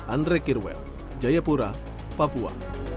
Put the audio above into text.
andre kirwel jayapura papua